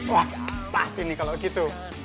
wah apaan sih ini kalo gitu